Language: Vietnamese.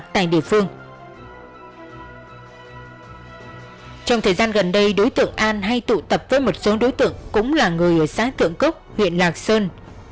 trong thời gian gần đây đối tượng an hay tụ tập với một số đối tượng cũng là người ở xã thượng cốc huyện lạc sơn